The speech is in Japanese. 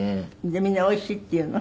でみんなおいしいって言うの？